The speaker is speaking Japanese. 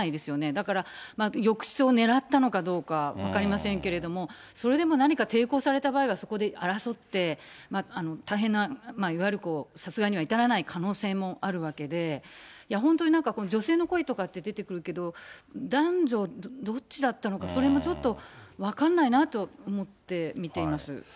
だから、浴室をねらったのかどうか分かりませんけれども、それでも何か抵抗された場合は、そこで争って、大変な、いわゆる殺害には至らない可能性もあるわけで、本当になんか女性の声とかって出てくるけど、男女どっちだったのか、それがちょっと分かんないなと思って見ています。